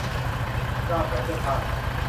ราวแขวนเสื้อผ้า